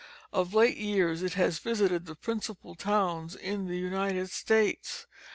Of late years it has visited the principal towns in the United States.